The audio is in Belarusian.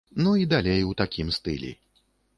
Ну і далей у такім стылі.